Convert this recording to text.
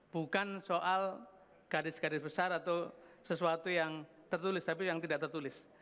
bukan soal garis garis besar atau sesuatu yang tertulis tapi yang tidak tertulis